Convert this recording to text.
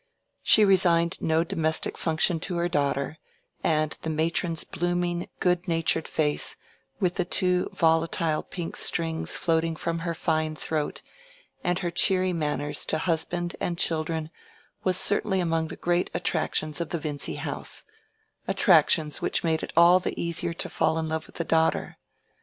She resigned no domestic function to her daughter; and the matron's blooming good natured face, with the two volatile pink strings floating from her fine throat, and her cheery manners to husband and children, was certainly among the great attractions of the Vincy house—attractions which made it all the easier to fall in love with the daughter.